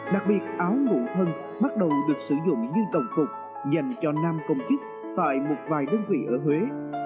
đặc biệt áo ngũ thân bắt đầu được sử dụng như tổng cục dành cho nam công chức tại một vài đơn vị ở huế